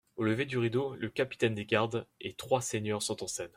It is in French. Au lever du rideau, le capitaine des gardes et trois seigneurs sont en scène.